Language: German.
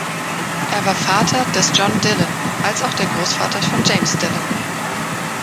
Er war Vater des John Dillon als auch der Großvater von James Dillon.